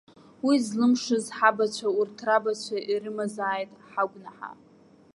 Уи злымшаз ҳабацәа, урҭ рабацәа ирымазааит ҳагәнаҳа!